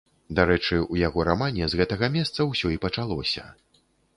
Дарэчы, у яго рамане з гэтага месца ўсё і пачалося.